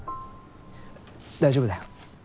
大丈夫だよ。